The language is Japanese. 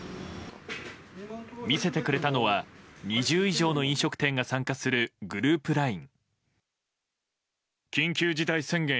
見せてくれたのは２０以上の飲食店が参加するグループＬＩＮＥ。